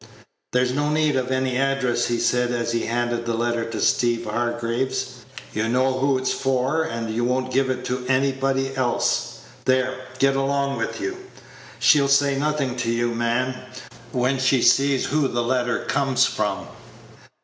"There's no need of any address," he said, as he handed the letter to Steeve Hargraves; "you know who it's for, and you won't give it to anybody else. There, get along with you. She'll say nothing to you, man, when she sees who the letter comes from."